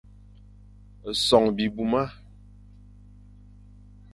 Son bibmuma.